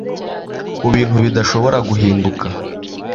Ku bintu bidashobora guhinduka